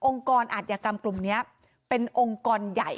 กรอาธิกรรมกลุ่มนี้เป็นองค์กรใหญ่